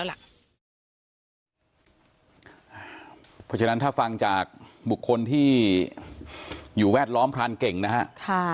เพราะฉะนั้นถ้าฟังจากบุคคลที่อยู่แวดล้อมพรานเก่งนะฮะ